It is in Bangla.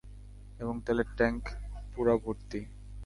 এবং তেলের ট্যাংক পুরো ভর্তি।